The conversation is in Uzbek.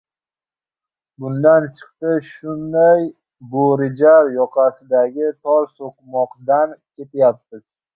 Bundan chiqdi, shunday Bo‘rijar yoqasidagi tor so‘qmoqdan ketyapmiz.